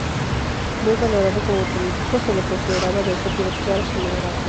Muy valorado como político, se le consideraba de objetivos claros y moderado.